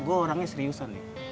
gue orangnya seriusan nih